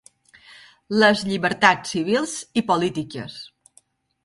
Les llibertats civils i polítiques.